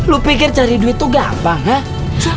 lu pikir cari duit tuh gampang kan